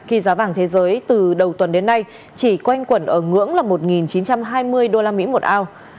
khi giá vàng thế giới từ đầu tuần đến nay chỉ quanh quẩn ở ngưỡng là một chín trăm hai mươi usd một ao